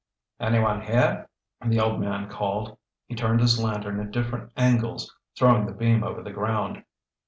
"Anyone here?" the old man called. He turned his lantern at different angles, throwing the beam over the ground.